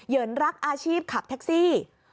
ินรักอาชีพขับแท็กซี่